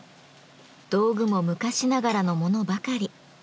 道具も昔ながらのものばかり。